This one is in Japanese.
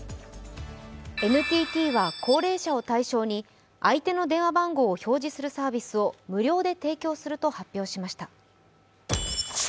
ＮＴＴは高齢者を対象に相手の電話番号を表示するサービスを無料で提供すると発表しました。